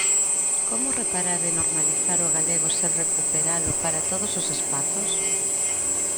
Como reparar e normalizar o galego sen recuperalo para todos os espazos?